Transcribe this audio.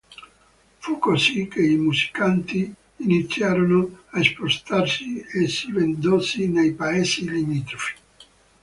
Fu così che i musicanti iniziarono a spostarsi esibendosi nei paesi limitrofi.